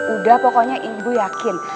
udah pokonya ibu yakin